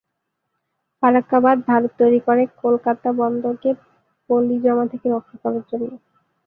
ফারাক্কা বাঁধ ভারত তৈরি করে কলকাতা বন্দরকে পলি জমা থেকে রক্ষা করার জন্য।